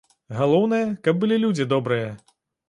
Галоўнае, каб былі людзі добрыя.